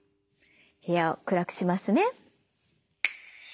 部屋を暗くしますね。